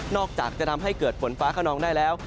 อกจากจะทำให้เกิดฝนฟ้าขนองได้แล้ว